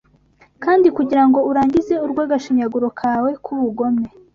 Kandi, kugirango urangize urw'agashinyaguro kawe k'ubugome